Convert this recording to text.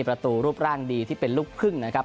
ประตูรูปร่างดีที่เป็นลูกครึ่งนะครับ